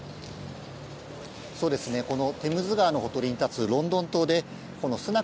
テムズ川のほとりに立つロンドン塔でスナク